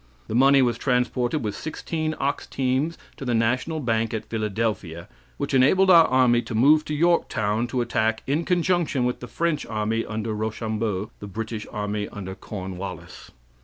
"The money was transported with sixteen ox teams to the National bank at Philadelphia, which enabled our army to move to Yorktown to attack in conjunction with the French army under Rochambeau, the British army under Cornwallis.